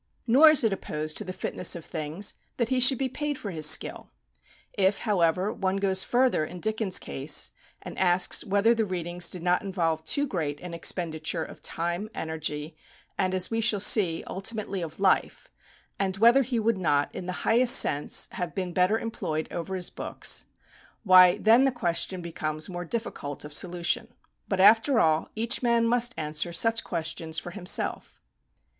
Nor is it opposed to the fitness of things that he should be paid for his skill. If, however, one goes further in Dickens' case, and asks whether the readings did not involve too great an expenditure of time, energy, and, as we shall see, ultimately of life, and whether he would not, in the highest sense, have been better employed over his books, why then the question becomes more difficult of solution. But, after all, each man must answer such questions for himself.